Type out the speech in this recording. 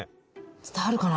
伝わるかな？